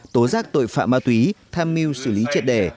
tố giác tội phạm ma túy tham mưu xử lý triệt đề